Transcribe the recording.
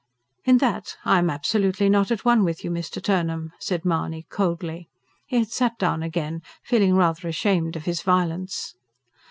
"In that I am absolutely not at one with you, Mr. Turnham," said Mahony coldly. He had sat down again, feeling rather ashamed of his violence.